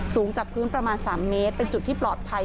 สูงจากพื้นประมาณ๓เมตรเป็นจุดที่ปลอดภัย